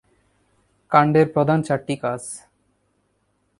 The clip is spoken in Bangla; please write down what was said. কাণ্ডের প্রধান চারটি কাজ।